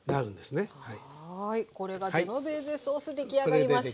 はいこれがジェノベーゼソース出来上がりました！